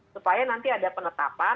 supaya nanti ada penetapan